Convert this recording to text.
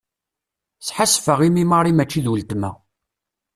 Sḥassfeɣ imi Mary mačči d uletma.